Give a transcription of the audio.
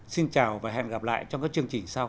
xin chào và hẹn gặp lại trong các chương trình sau